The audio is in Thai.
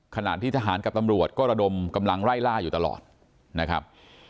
ขณะที่ทหารกับตำรวจก็ระดมกำลังไล่ล่าอยู่ตลอดนะครับ